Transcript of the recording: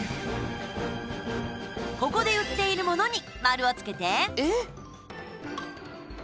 ここで売っているものに丸をつけて。